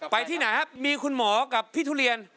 ที่ไหนครับมีคุณหมอกับพี่ทุเรียน